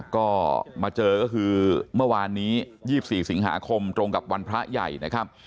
ก็มาเจอก็คือเมื่อวานนี้๒๔สิงหาคมตรงกับวันพระใหญ่นะครับ